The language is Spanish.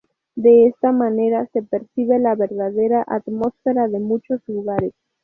De esta manera se percibe la verdadera atmósfera de muchos lugares.